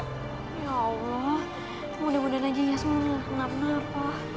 ya allah mudah mudahan aja yasmin gak kenapa napa